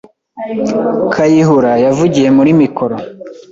Kayihura yavugiye muri mikoro.